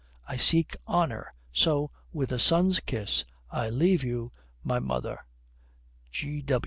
I seek honour. So, with a son's kiss, I leave you, my mother.